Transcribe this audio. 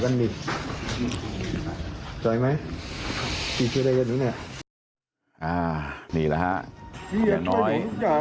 นี่แหละฮะเดี๋ยวน้อย